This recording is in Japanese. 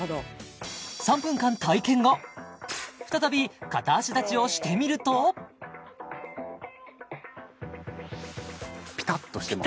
３分間体験後再び片足立ちをしてみるとピタッとしてます